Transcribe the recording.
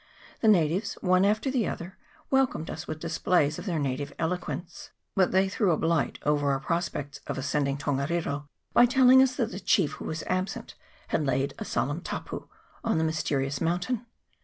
The natives one after the other welcomed us with displays of their native eloquence ; but they threw a blight over our pros pects of ascending Tongariro, by telling us that the chief, who was absent, had laid a solemn " tapu " on the mysterious mountain.